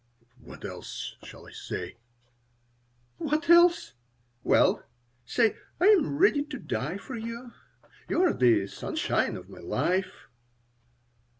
"What else shall I say?" "What else! Well, say: 'I am ready to die for you. You are the sunshine of my life.'"